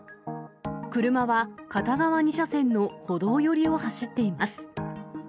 車は片側２車線の歩道寄りを走っています。